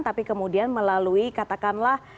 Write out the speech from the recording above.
tapi kemudian melalui katakanlah